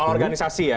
soal organisasi ya